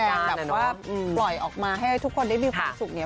แบบว่าปล่อยออกมาให้ทุกคนได้มีความสุขเนี่ย